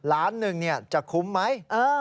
๑ล้านบาทจะคุ้มไหม